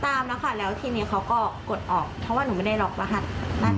ตามแล้วค่ะแล้วทีนี้เขาก็กดออกเพราะว่าหนูไม่ได้ล็อกรหัส